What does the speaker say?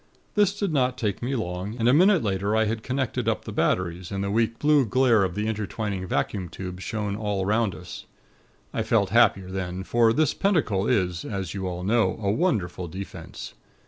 This did not take me long, and a minute later I had connected up the batteries, and the weak blue glare of the intertwining vacuum tubes shone all around us. I felt happier then; for this Pentacle is, as you all know, a wonderful 'Defense.'